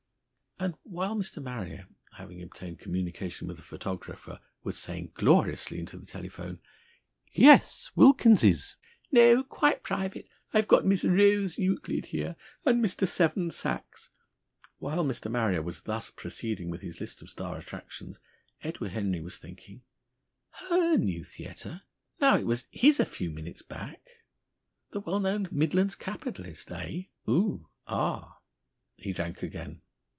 (And while Mr. Marrier, having obtained communication with the photographer, was saying gloriously into the telephone: "Yes, Wilkins's. No. Quite private. I've got Miss Rose Euclid here, and Mr. Seven Sachs " while Mr. Marrier was thus proceeding with his list of star attractions, Edward Henry was thinking: "'Her new theatre,' now! It was 'his' a few minutes back!... "The well known Midland capitalist, eh? Oh! Ah!") He drank again.